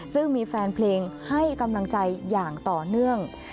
ซึ่งมีแฟนเพลงให้กำลังใจอย่างต่อเนื่อง